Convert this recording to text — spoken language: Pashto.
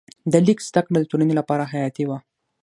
د لیک زده کړه د ټولنې لپاره حیاتي وه.